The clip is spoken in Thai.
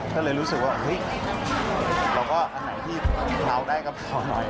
ก็เลยรู้สึกว่าอุ๊ยแล้วก็อันไหนที่เอาได้ก็เผาหน่อย